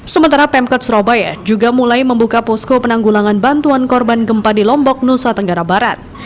sementara pemkot surabaya juga mulai membuka posko penanggulangan bantuan korban gempa di lombok nusa tenggara barat